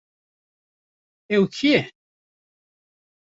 Ew kî ye?